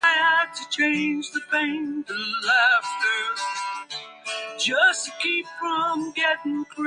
The podcast has been downloaded in more than ninety countries.